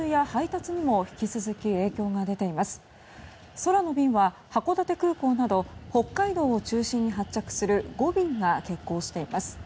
空の便は函館空港など北海道を中心に発着する５便が欠航しています。